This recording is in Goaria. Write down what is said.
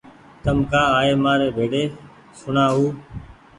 تم ڪآ آئي مآري ڀيڙي سوڻآ او